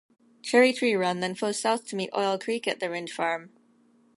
Cherrytree Run then flows south to meet Oil Creek at the Rynd Farm.